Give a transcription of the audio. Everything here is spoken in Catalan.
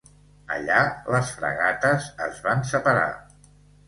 Allà, les fragates es van separar.